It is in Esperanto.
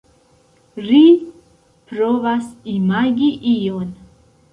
Ri provas imagi ion.